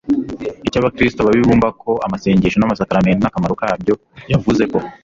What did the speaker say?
icy'abakristu babi bumva ko amasengesho n'amasakaramentu nta kamaro kabyo. yavuze ko